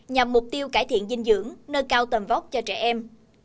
nhằm mục tiêu cải thiện dinh dưỡng nơi cao tầm vót cho trẻ em